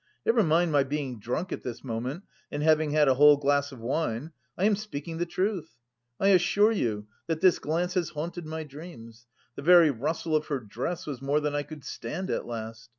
Never mind my being drunk at this moment and having had a whole glass of wine. I am speaking the truth. I assure you that this glance has haunted my dreams; the very rustle of her dress was more than I could stand at last.